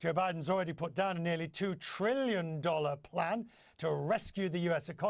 joe biden sudah menurunkan rencana berharga sekitar dua triliun untuk menyelamatkan ekonomi amerika serikat